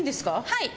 はい。